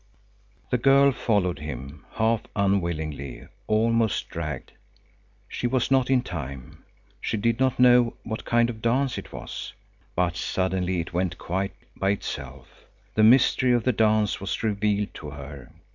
The girl followed him, half unwillingly, almost dragged. She was not in time; she did not know what kind of a dance it was, but suddenly it went quite of itself. The mystery of the dance was revealed to her.